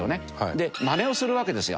でマネをするわけですよ。